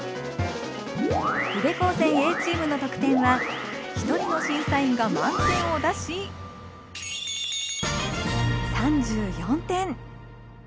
宇部高専Ａチームの得点は１人の審査員が満点を出し３４点。